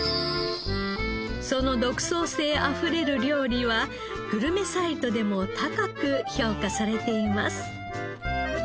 その独創性あふれる料理はグルメサイトでも高く評価されています。